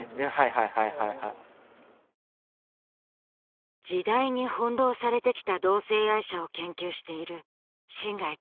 はいはいはい時代に翻弄されてきた同性愛者を研究している新ヶ江